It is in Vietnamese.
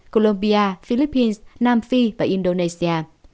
colombia philippines nam phi và indonesia